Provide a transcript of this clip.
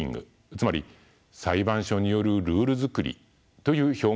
つまり裁判所によるルール作りという表現があります。